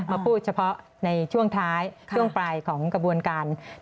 มาพูดเฉพาะในช่วงท้ายช่วงปลายของกระบวนการ